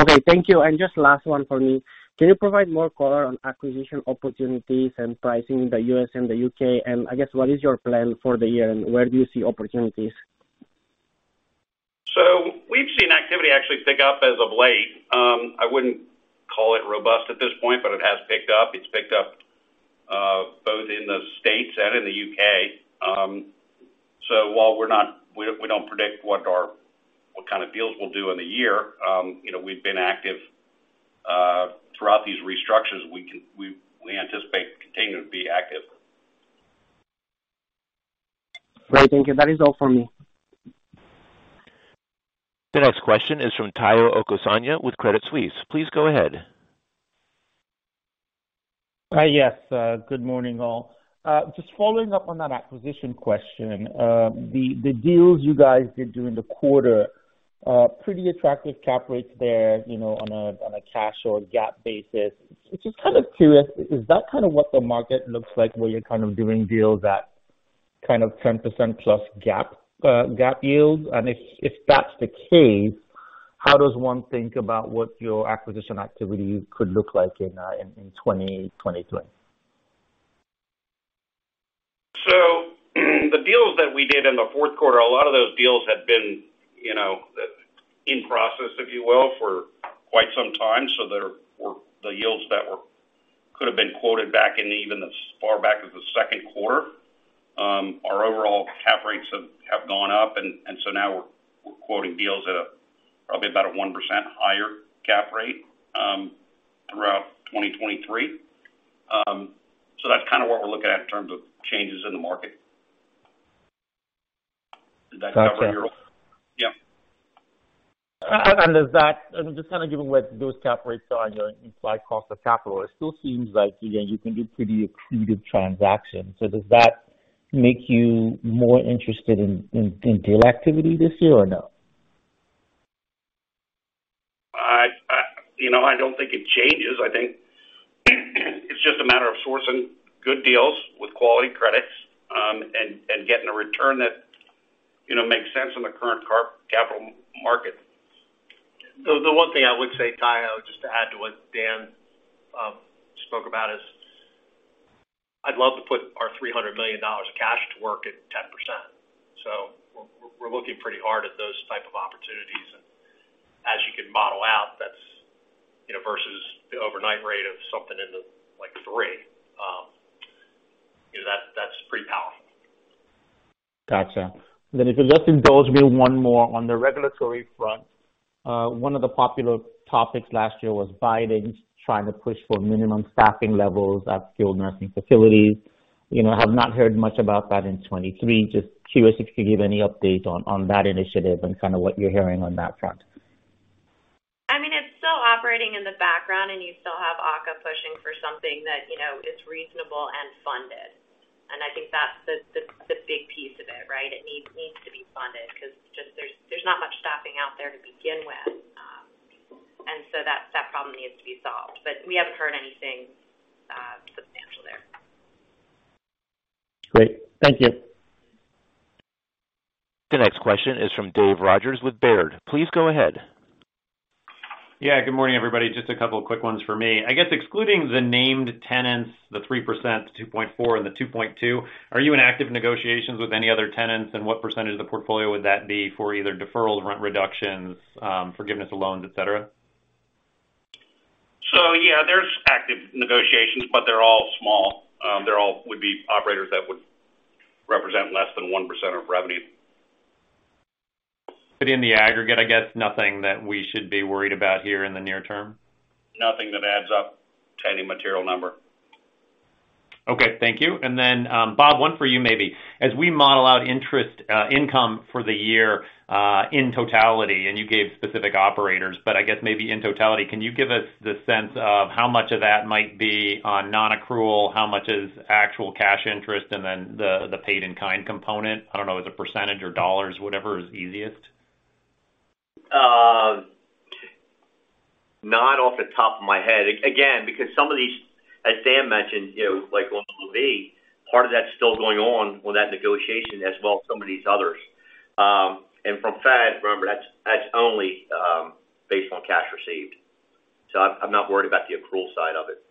Okay. Thank you. Just last one for me. Can you provide more color on acquisition opportunities and pricing in the U.S. and the U.K.? I guess, what is your plan for the year, and where do you see opportunities? We've seen activity actually pick up as of late. I wouldn't call it robust at this point, but it has picked up. It's picked up, both in the States and in the U.K. While we don't predict what kind of deals we'll do in the year, you know, we've been active throughout these restructures. We anticipate continuing to be active. Great. Thank you. That is all for me. The next question is from Tayo Okusanya with Credit Suisse. Please go ahead. Yes. Good morning, all. Just following up on that acquisition question. The deals you guys did during the quarter Pretty attractive cap rates there, you know, on a, on a cash or GAAP basis. It's just kind of curious, is that kind of what the market looks like where you're kind of doing deals at kind of 10% plus GAAP yields? If that's the case, how does one think about what your acquisition activity could look like in 2023? The deals that we did in the fourth quarter, a lot of those deals had been, you know, in process, if you will, for quite some time. The yields that were could have been quoted back in even as far back as the second quarter. Our overall cap rates have gone up, and so now we're quoting deals at a probably about a 1% higher cap rate throughout 2023. That's kind of what we're looking at in terms of changes in the market. Gotcha. Yeah. Just kind of given what those cap rates are on your implied cost of capital, it still seems like, again, you can do pretty accretive transactions. Does that make you more interested in deal activity this year or no? You know, I don't think it changes. I think it's just a matter of sourcing good deals with quality credits, and getting a return that, you know, makes sense in the current capital market. The one thing I would say, Tayo, just to add to what Dan spoke about is I'd love to put our $300 million of cash to work at 10%. We're looking pretty hard at those type of opportunities. As you can model out, that's, you know, versus the overnight rate of something in the, like, 3%, you know, that's pretty powerful. Gotcha. If you'll just indulge me one more on the regulatory front. One of the popular topics last year was Biden trying to push for minimum staffing levels at skilled nursing facilities. You know, have not heard much about that in 2023. Just curious if you could give any update on that initiative and kind of what you're hearing on that front. I mean, it's still operating in the background, you still have AHCA pushing for something that you know is reasonable and funded. I think that's the big piece of it, right? It needs to be funded because just there's not much staffing out there to begin with. That problem needs to be solved. We haven't heard anything substantial there. Great. Thank you. The next question is from David Rodgers with Baird. Please go ahead. Yeah. Good morning, everybody. Just a couple of quick ones for me. I guess excluding the named tenants, the 3%, the 2.4% and the 2.2%, are you in active negotiations with any other tenants? What percentage of the portfolio would that be for either deferral rent reductions, forgiveness of loans, etc.? Yeah, there's active negotiations, but they're all small. They're all would-be operators that would represent less than 1% of revenue. In the aggregate, I guess nothing that we should be worried about here in the near term. Nothing that adds up to any material number. Okay. Thank you. Bob, one for you, maybe. As we model out interest income for the year in totality, and you gave specific operators, but I guess maybe in totality, can you give us the sense of how much of that might be on non-accrual, how much is actual cash interest, and then the paid in kind component? I don't know as a percentage or dollars, whatever is easiest. Not off the top of my head. Again, because some of these, as Dan mentioned, you know, like on LaVie, part of that's still going on with that negotiation as well as some of these others. From FAD, remember, that's only based on cash received, so I'm not worried about the accrual side of it.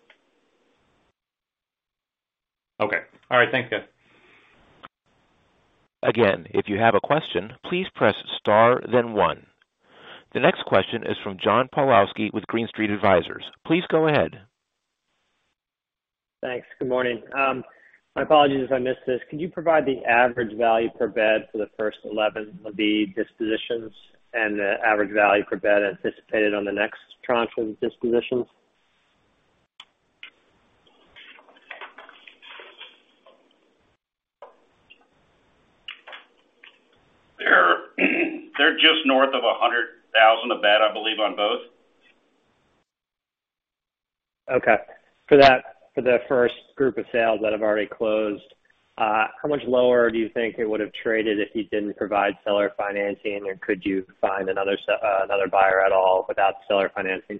Okay. All right. Thanks, guys. Again, if you have a question, please press star then one. The next question is from John Pawlowski with Green Street Advisors. Please go ahead. Thanks. Good morning. My apologies if I missed this. Could you provide the average value per bed for the first 11 LaVie dispositions and the average value per bed anticipated on the next tranche of the dispositions? They're just north of $100,000 a bed, I believe, on both. Okay. For the first group of sales that have already closed, how much lower do you think it would have traded if you didn't provide seller financing or could you find another buyer at all without seller financing?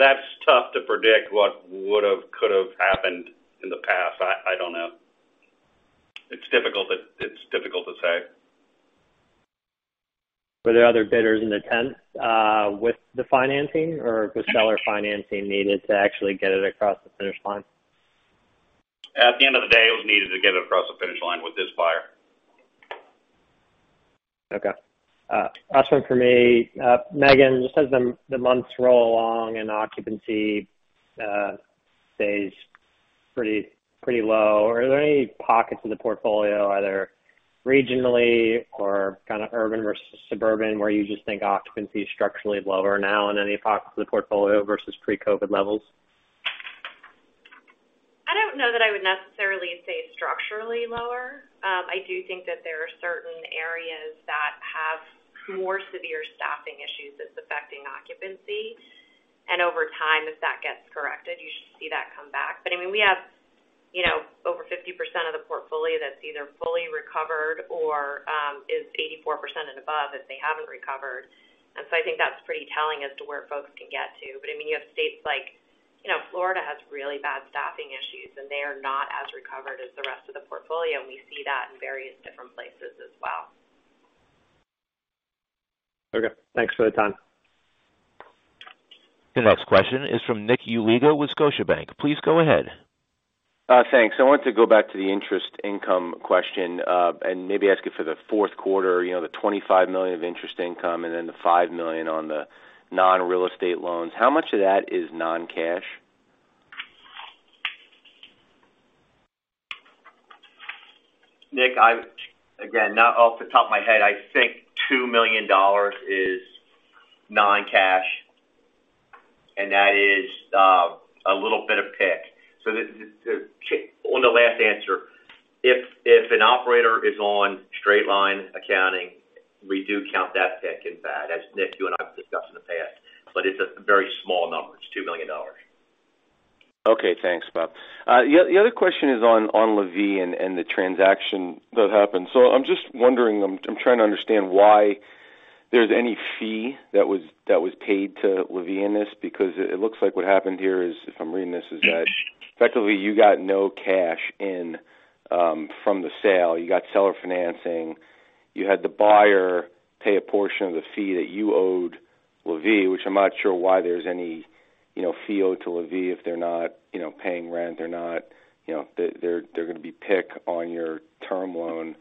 That's tough to predict what would have, could have happened in the past. I don't know. It's difficult to say. Were there other bidders in the tent, with the financing or was seller financing needed to actually get it across the finish line? At the end of the day, it was needed to get it across the finish line with this buyer. Last one for me. Megan, just as the months roll along and occupancy stays pretty low, are there any pockets of the portfolio, either regionally or kind of urban versus suburban, where you just think occupancy is structurally lower now in any pockets of the portfolio versus pre-COVID levels? I don't know that I would necessarily say structurally lower. I do think that there are certain areas that have more severe staffing issues that's affecting occupancy, and over time, if that gets corrected, you should see that come back. I mean, we have, you know, over 50% of the portfolio that's either fully recovered or is 84% and above if they haven't recovered. I think that's pretty telling as to where folks can get to. I mean, you have states like, you know, Florida has really bad staffing issues, and they are not as recovered as the rest of the portfolio, and we see that in various different places as well. Okay. Thanks for the time. The next question is from Nick Yulico with Scotiabank. Please go ahead. Thanks. I want to go back to the interest income question, and maybe ask you for the fourth quarter, you know, the $25 million of interest income and then the $5 million on the Non-Real Estate Loans. How much of that is non-cash? Nick, I've again, not off the top of my head, I think $2 million is non-cash, and that is a little bit of PIC. On the last answer, if an operator is on straight line accounting, we do count that PIC in FAD, as Nick, you and I have discussed in the past. It's a very small number. It's $2 million. Okay. Thanks, Bob. The other question is on LaVie and the transaction that happened. I'm just wondering, I'm trying to understand why there's any fee that was paid to LaVie in this, because it looks like what happened here is, if I'm reading this, is that effectively, you got no cash in from the sale. You got seller financing. You had the buyer pay a portion of the fee that you owed LaVie, which I'm not sure why there's any, you know, fee owed to LaVie if they're not, you know, paying rent, they're not, you know, they're gonna be PIC on your term loan.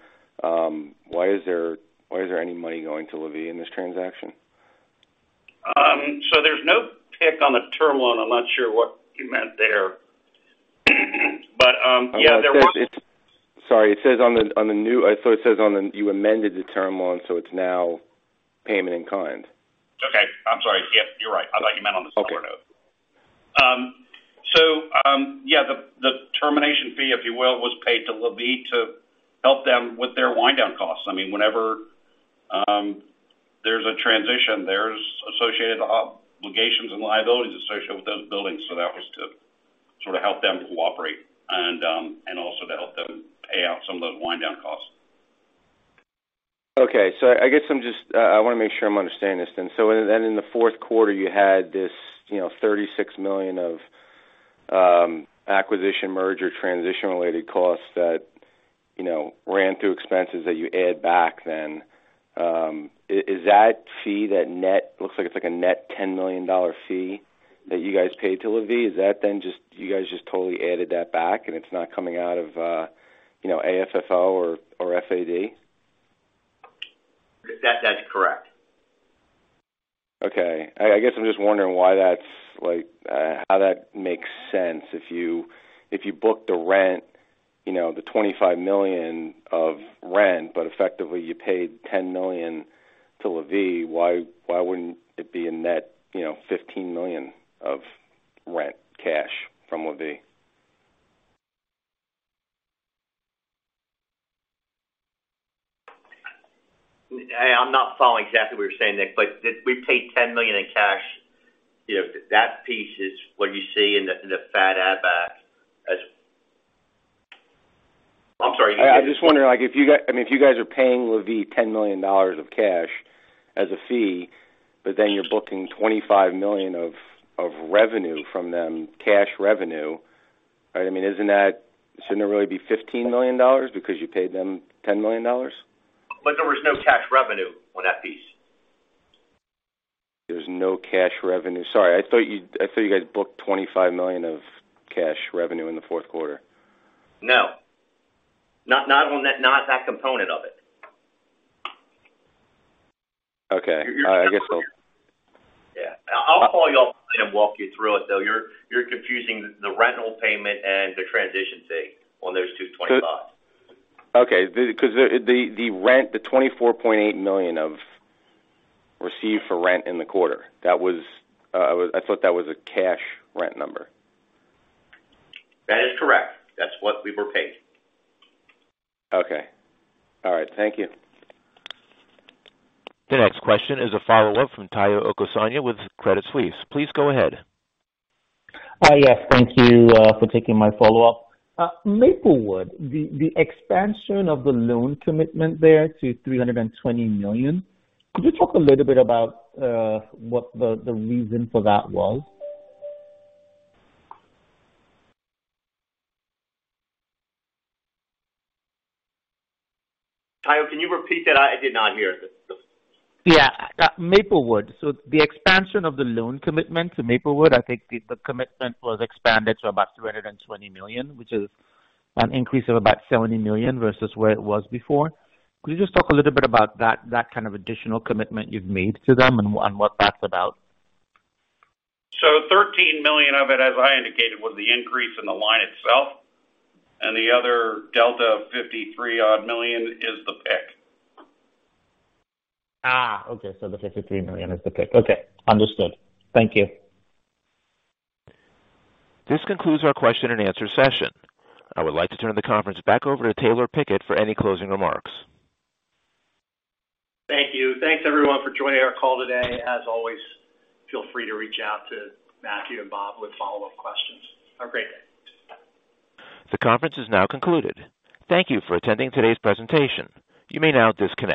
Why is there any money going to LaVie in this transaction? There's no PIC on the term loan. I'm not sure what you meant there. Yeah. Sorry. You amended the term loan, so it's now payment in kind. Okay. I'm sorry. Yeah, you're right. I thought you meant on the senior note. So, yeah, the termination fee, if you will, was paid to LaVie to help them with their wind down costs. I mean, whenever there's a transition, there's associated obligations and liabilities associated with those buildings. That was to sort of help them cooperate and also to help them pay out some of those wind down costs. I wanna make sure I'm understanding this then. In the fourth quarter, you had this, you know, $36 million of acquisition merger transition-related costs that, you know, ran through expenses that you add back then. Is that fee, looks like it's a net $10 million fee that you guys paid to LaVie, then just totally added that back and it's not coming out of, you know, AFFO or FAD? That's correct. Okay. I guess I'm just wondering why that's like, how that makes sense. If you book the rent, you know, the $25 million of rent, but effectively, you paid $10 million to LaVie, why wouldn't it be a net, you know, $15 million of rent cash from LaVie? I'm not following exactly what you're saying, Nick, but if we paid $10 million in cash, you know, that piece is what you see in the, in the FAD add back as. I'm sorry. I'm just wondering, like, I mean, if you guys are paying LaVie $10 million of cash as a fee, but then you're booking $25 million of revenue from them, cash revenue, right? I mean, shouldn't it really be $15 million because you paid them $10 million? There was no cash revenue on that piece. There's no cash revenue. Sorry, I thought you guys booked $25 million of cash revenue in the fourth quarter. No. Not that component of it. Okay. All right. I guess. Yeah. I'll call you up and walk you through it, though. You're confusing the rental payment and the transition fee on those $225. Okay. 'Cause the rent, the $24.8 million of received for rent in the quarter, that was, I thought that was a cash rent number. That is correct. That's what we were paid. Okay. All right. Thank you. The next question is a follow-up from Tayo Okusanya with Credit Suisse. Please go ahead. Yes. Thank you for taking my follow-up. Maplewood, the expansion of the loan commitment there to $320 million, could you talk a little bit about what the reason for that was? Tayo, can you repeat that? I did not hear. Yeah. Maplewood. The expansion of the loan commitment to Maplewood, I think the commitment was expanded to about $320 million, which is an increase of about $70 million versus where it was before. Could you just talk a little bit about that kind of additional commitment you've made to them and what that's about? Thirteen million of it, as I indicated, was the increase in the line itself, and the other delta of $53 odd million is the PIC. Okay. The $53 million is the PIC. Okay. Understood. Thank you. This concludes our question and answer session. I would like to turn the conference back over to Taylor Pickett for any closing remarks. Thank you. Thanks everyone for joining our call today. As always, feel free to reach out to Matthew and Bob with follow-up questions. Have a great day. The conference is now concluded. Thank you for attending today's presentation. You may now disconnect.